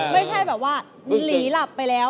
ไม่ใช่แบบว่าหลีหลับไปแล้ว